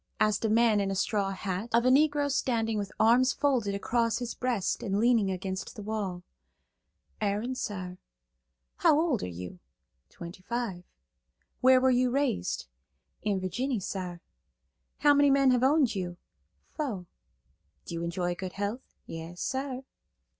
asked a man in a straw hat, of a Negro standing with arms folded across his breast and leaning against the wall. "Aaron, sar." "How old are you?" "Twenty five." "Where were you raised?" "In Virginny, sar." "How many men have owned you?" "Fo." "Do you enjoy good health?" "Yas, sar."